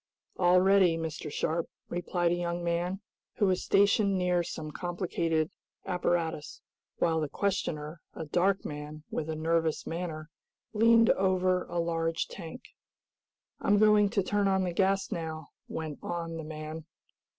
"All ready, Mr. Sharp," replied a young man, who was stationed near some complicated apparatus, while the questioner, a dark man, with a nervous manner, leaned over a large tank. "I'm going to turn on the gas now," went on the man.